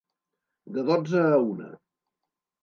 De dotze a una.